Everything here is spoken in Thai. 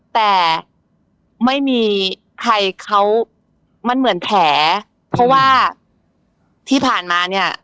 แต่ไม่มีใครเขามันเหมือนแผลเพราะว่าที่ผ่านมาเนี่ย